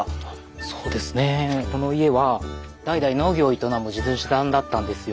そうですねこの家は代々農業を営む地主さんだったんですよ。